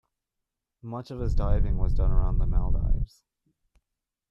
Much of his diving was done around the Maldives.